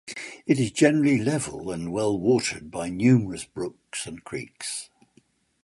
It is generally level and well watered by numerous brooks and creeks.